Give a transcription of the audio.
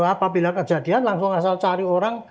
apabila kejadian langsung asal cari orang